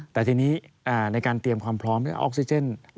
แต่ทีนี้ในการเตรียมความพร้อมออกซิเจน